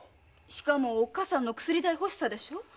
しかもおっかさんの薬代欲しさでしょ？